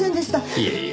いえいえ。